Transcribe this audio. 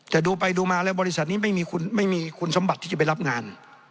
แต่ดูไปดูมาแล้วบริษัทนี้ไม่มีคุณสมบัติที่จะไปรับงาน